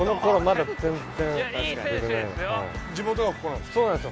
地元がここなんですか？